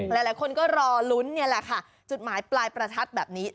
หลายคนก็รอลุ้นนี่แหละค่ะจุดหมายปลายประทัดแบบนี้